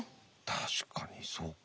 確かにそっか。